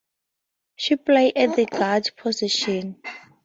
She plays at the guard position.